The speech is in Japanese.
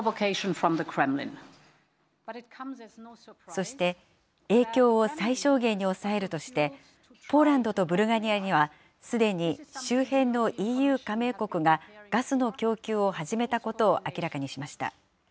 そして、影響を最小限に抑えるとして、ポーランドとブルガリアには、すでに周辺のＥＵ加盟国が、ガスの供給を始めたことを明らかにしました。